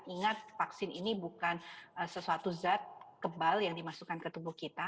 ingat vaksin ini bukan sesuatu zat kebal yang dimasukkan ke tubuh kita